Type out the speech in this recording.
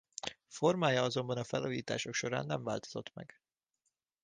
Formája azonban a felújítások során nem változott meg.